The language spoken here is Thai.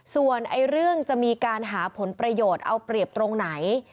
ส่วนเรื่องจะมีการหาผลประโยชน์เอาเปรียบตรงไหน